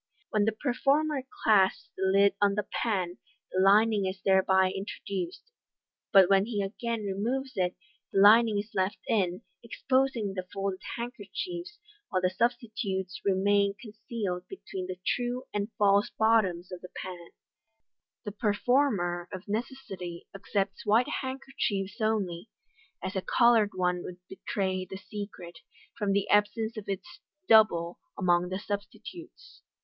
When the performer claps the lid on the pan, the lining is thereby introduced, but when he again removes it, the lining is left in, exposing the folded handkerchiefs, while the substitutes remain concealed between the true and false bottoms of the pan. The performer, of necessity, accepts white handkerchiefs only, as a coloured one would betray the secret, from the absence of its "double" among the substitutes.